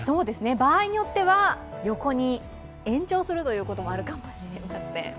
場合によっては横に延長することもあるかもしれません。